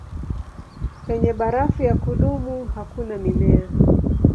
Penye barafu ya kudumu hakuna mimea.